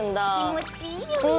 気持ちいいよね。